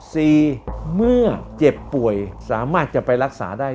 เมื่อเจ็บป่วยสามารถจะไปรักษาได้